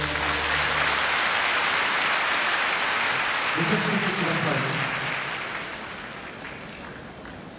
ご着席ください。